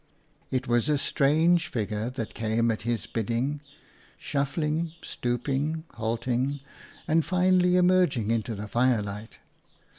It was a strange figure that came at his bidding, shuffling, stooping, halting, and finally emerging into the firelight.